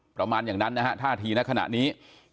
ประมาณอย่างนั้นนะฮะท่าทีในขณะนี้